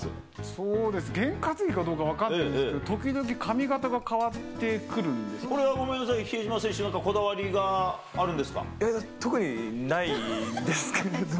そうですね、験担ぎかどうか分からないんですけど、時々、髪形が変わってくるごめんなさい、比江島選手、えー、特にないですけれども。